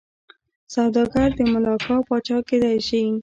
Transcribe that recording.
سوداګر د ملاکا پاچا کېدای شي.